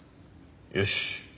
よし。